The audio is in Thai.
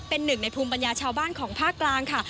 เป็นหนึ่งในภูมิปัญญาชาวบ้านของภาคกลางค่ะ